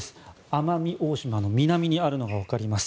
奄美大島の南にあるのがわかります。